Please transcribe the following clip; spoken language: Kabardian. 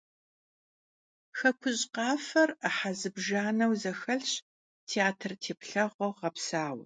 «Xekuj khafer» 'ıhe zıbjjaneu zexetş, têatr têplheğueu ğepsaue.